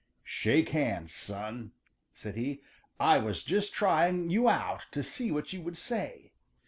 "Shake hands, son," said he. "I was just trying you out to see what you would say.